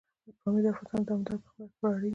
پامیر د افغانستان د دوامداره پرمختګ لپاره اړین دي.